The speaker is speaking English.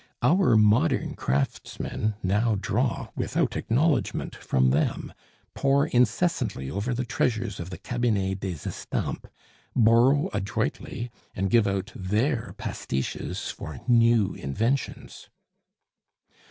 Our modern craftsmen now draw without acknowledgment from them, pore incessantly over the treasures of the Cabinet des Estampes, borrow adroitly, and give out their pastiches for new inventions.